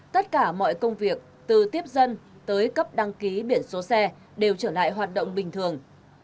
từ tiếp dân tới cấp đăng ký biển số xe đều trở lại hoạt động bình thường